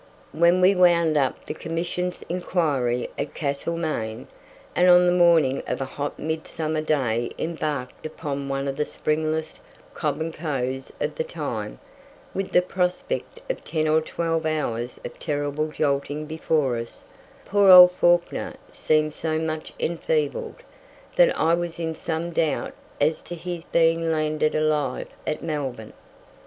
When we wound up the Commission's inquiry at Castlemaine, and on the morning of a hot midsummer day embarked upon one of the springless "Cobb and Co's" of the time, with the prospect of ten or twelve hours of terrible jolting before us, poor old Fawkner seemed so much enfeebled that I was in some doubt as to his being landed alive at Melbourne.